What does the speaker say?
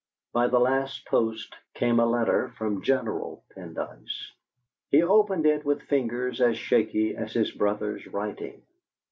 By the last post came a letter from General Pendyce. He opened it with fingers as shaky as his brother's writing.